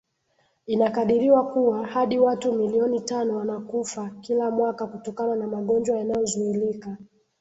Inakadiriwa kuwa hadi watu milioni tano wanakufa kila mwaka kutokana na magonjwa yanayozuilika